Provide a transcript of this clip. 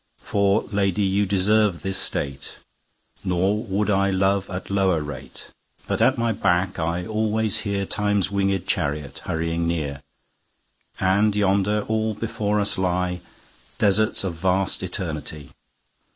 For Lady you deserve this State; Nor would I love at lower rate. But at my back I alwaies hearTimes winged Charriot hurrying near:And yonder all before us lyeDesarts of vast Eternity.